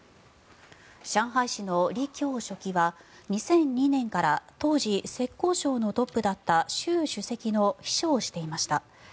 上海市のリ・キョウ書記は２００２年から当時浙江省のトップだった習主席の秘書をしていました。